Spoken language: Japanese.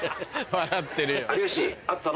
笑ってるよ。